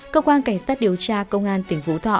cơ quan cảnh sát điều tra công an tỉnh phú thọ